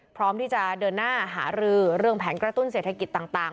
พร้อมที่จะเดินหน้าหารือเรื่องแผนกระตุ้นเศรษฐกิจต่าง